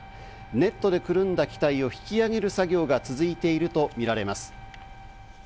ネットでくるんだ機体を引き揚げる際の作業が続いているとみられます。